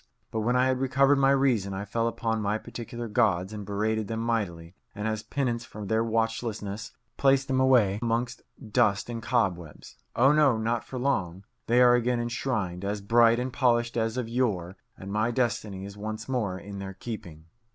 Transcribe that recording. But when I had recovered my reason, I fell upon my particular gods and berated them mightily, and as penance for their watchlessness placed them away amongst dust and cobwebs. Oh no, not for long. They are again enshrined, as bright and polished as of yore, and my destiny is once more in their keeping.